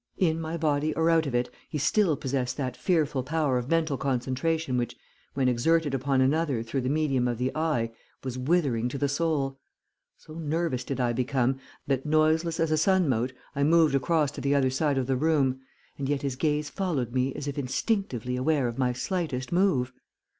In my body or out of it, he still possessed that fearful power of mental concentration which when exerted upon another through the medium of the eye was withering to the soul. So nervous did I become, that noiseless as a sun mote I moved across to the other side of the room, and yet his gaze followed me as if instinctively aware of my slightest move.